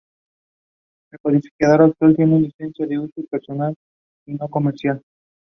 El codificador actual tiene licencia de uso personal y no comercial.